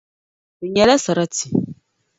Bɛ nyɛla sarati.